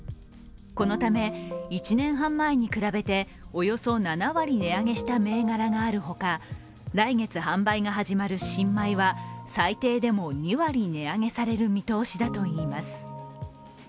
このため１年半前に比べて、およそ７割値上げした銘柄があるほか来月販売が始まる新米は最低でも２割値上げされる見通しだといいます。